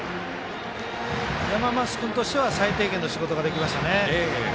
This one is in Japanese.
山増君としては最低限の仕事ができましたね。